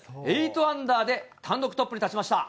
８アンダーで単独トップに立ちました。